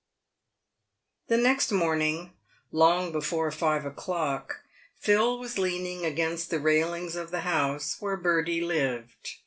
The next' morning, long before five o'clock, Phil was leaning against the railings of the house where Bertie lived.